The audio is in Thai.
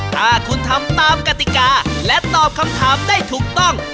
ถ้าคุณทำตามกติกาและตอบคำถามได้ถูกต้อง